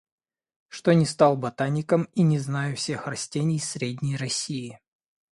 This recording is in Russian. что не стал ботаником и не знаю всех растений Средней России.